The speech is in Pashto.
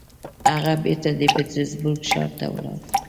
هغه بېرته د پيټرزبورګ ښار ته ولاړ.